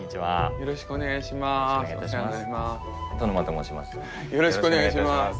よろしくお願いします。